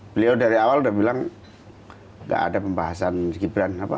beliau dari awal udah bilang gak ada pembahasan mas gibran